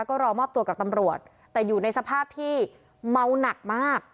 ก็รอมอบตัวกับตำรวจแต่อยู่ในสภาพที่เมาหนักมาก